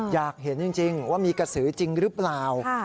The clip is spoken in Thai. อยากเห็นจริงว่ามีกระสือจริงหรือเปล่า